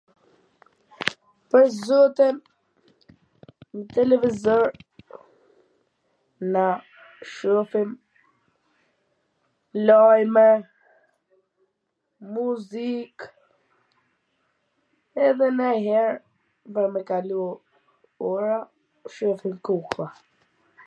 pwr zotin, n televizor na shofim lajme, muzik, edhe nanjher pwr me kalu ora shofim kuklla